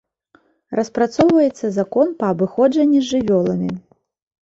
Распрацоўваецца закон па абыходжанні з жывёламі.